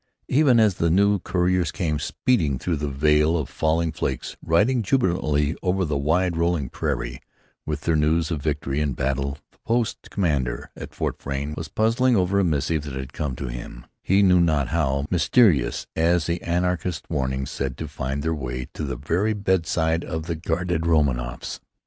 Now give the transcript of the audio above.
Even as the new couriers came speeding through the veil of falling flakes, riding jubilantly over the wide rolling prairie with their news of victory and battle, the post commander at Fort Frayne was puzzling over a missive that had come to him, he knew not how, mysterious as the anarchists' warnings said to find their way to the very bedside of the guarded Romanoffs.